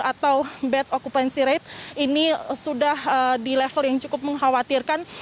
atau bed occupancy rate ini sudah di level yang cukup mengkhawatirkan